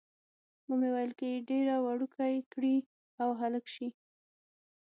ومې ویل، که یې ډېره وړوکې کړي او هلک شي.